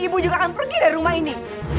ibu juga akan pergi dari rumah ini